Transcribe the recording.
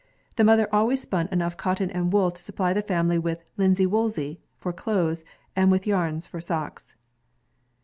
The mother always spun enough cot ton and wool to supply the family with "linsey woolsey" for clothes, and with vams for socks.